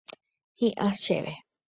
Hi'ã chéve.